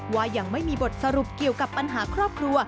ว่ายังไม่มีบทสรุปเกี่ยวกับปัญหาครอบครัว